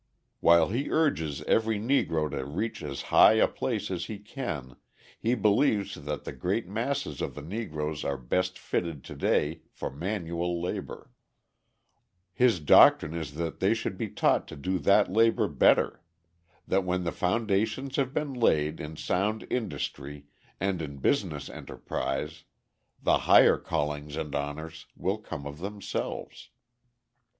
While he urges every Negro to reach as high a place as he can, he believes that the great masses of the Negroes are best fitted to day for manual labour; his doctrine is that they should be taught to do that labour better: that when the foundations have been laid in sound industry and in business enterprise, the higher callings and honours will come of themselves.